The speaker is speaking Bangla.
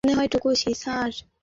স্যার, কেউ আছেন, স্যার?